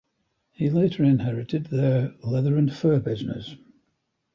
He later inherited their leather and fur business.